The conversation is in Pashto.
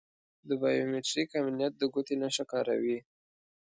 د بایو میتریک امنیت د ګوتې نښه کاروي.